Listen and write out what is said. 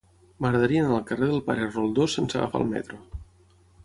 M'agradaria anar al carrer del Pare Roldós sense agafar el metro.